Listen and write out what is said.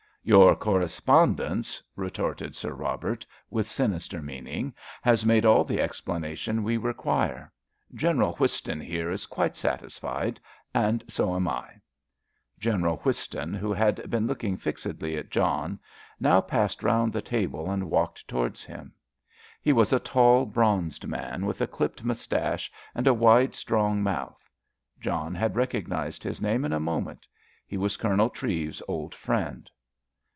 "Your correspondence," retorted Sir Robert, with sinister meaning, "has made all the explanation we require! General Whiston here is quite satisfied, and so am I." General Whiston, who had been looking fixedly at John, now passed round the table and walked towards him. He was a tall, bronzed man, with a clipped moustache, and a wide, strong mouth. John had recognised his name in a moment. He was Colonel Treves's old friend.